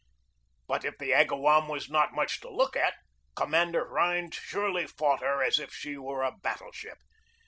But if the Agawam were not much to look at, Commander Rhind surely fought her as if she were a battle ship.